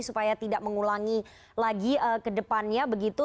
supaya tidak mengulangi lagi kedepannya begitu